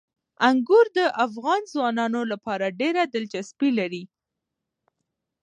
انګور د افغان ځوانانو لپاره ډېره دلچسپي لري.